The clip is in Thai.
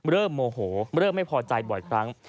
โมโหเริ่มไม่พอใจบ่อยครั้ง